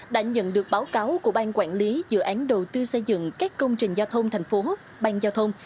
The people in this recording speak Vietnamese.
đã nhận được báo cáo của bang quản lý dự án đầu tư xây dựng các công trình giao thông thành phố bang giao thông